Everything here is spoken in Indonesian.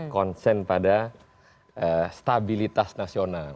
konsen pada stabilitas nasional